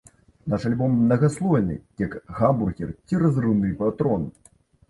Наш альбом мнагаслойны, як гамбургер ці разрыўны патрон!